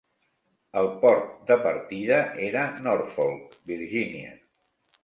El port de partida era Norfolk, Virginia.